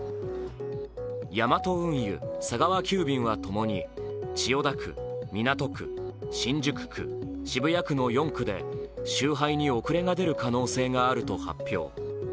ヤマト運輸、佐川急便はともに、千代田区、港区、新宿区、渋谷区の４区で集配に遅れが出る可能性があると発表。